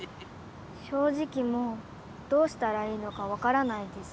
正直もうどうしたらいいのかわからないです。